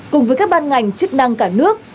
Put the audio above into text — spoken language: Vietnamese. cùng với các ban ngành chức năng cả nước